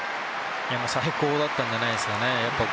最高だったんじゃないですかね。